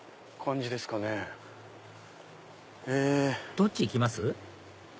どっち行きます？